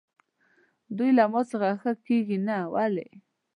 دوی له ما څخه ښه نه کېږي، ولې؟